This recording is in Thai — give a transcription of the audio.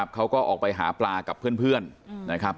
เขาก็ออกไปหาปลากับเพื่อนนะครับ